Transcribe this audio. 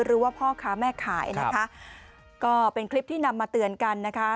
หรือว่าพ่อค้าแม่ขายนะคะก็เป็นคลิปที่นำมาเตือนกันนะคะ